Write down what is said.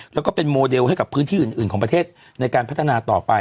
แล้วก็เป็นโมเดลให้กับพื้นที่อื่นของประเทศในการพัฒนาต่อไป